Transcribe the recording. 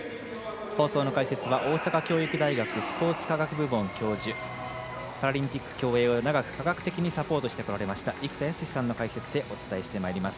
放送席解説は大阪教育大学教育学部門教授パラリンピック競泳を長く科学的にサポートしてきました生田泰志さんの解説でお伝えしてまいります。